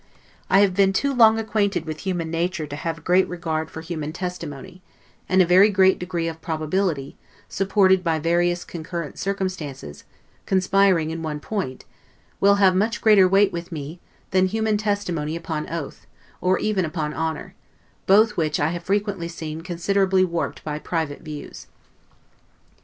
I have been too long acquainted with human nature to have great regard for human testimony; and a very great degree of probability, supported by various concurrent circumstances, conspiring in one point, will have much greater weight with me, than human testimony upon oath, or even upon honor; both which I have frequently seen considerably warped by private views.